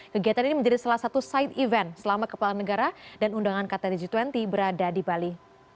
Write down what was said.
kegiatan ini menjadi salah satu side event selama kepala negara dan undangan kttg dua puluh berada di bali